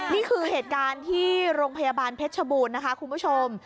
นี่คือเหตุการณ์ที่โรงพยาบาลเพชรชบูรณ์นะคะคุณผู้ชม